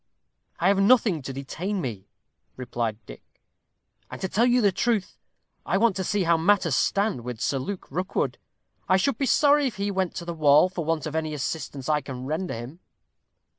"I have nothing to detain me," replied Dick. "And, to tell you the truth, I want to see how matters stand with Sir Luke Rookwood. I should be sorry if he went to the wall for want of any assistance I can render him."